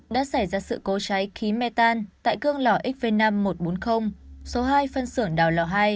đã xảy ra sự cố cháy khí metan tại cương lỏ xv năm một trăm bốn mươi số hai phân xưởng đảo lỏ hai